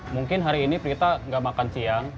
mungkin hari ini prita nggak makan siang